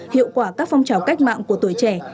hiệu quả các phong trào cách mạng của tuổi trẻ